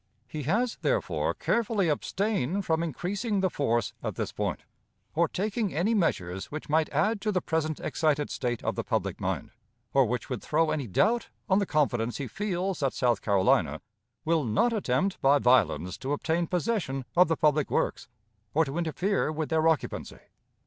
He has, therefore, carefully abstained from increasing the force at this point, or taking any measures which might add to the present excited state of the public mind, or which would throw any doubt on the confidence he feels that South Carolina will not attempt by violence to obtain possession of the public works, or to interfere with their occupancy.